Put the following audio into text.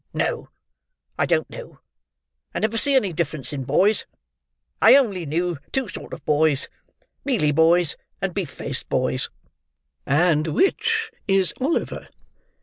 "No. I don't know. I never see any difference in boys. I only knew two sort of boys. Mealy boys, and beef faced boys." "And which is Oliver?"